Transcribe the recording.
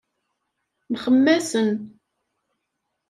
Mxemmasen.